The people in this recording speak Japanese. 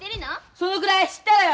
そのくらい知ったあらよ。